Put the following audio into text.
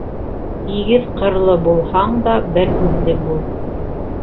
Һигеҙ ҡырлы булһаң да бер һүҙле бул.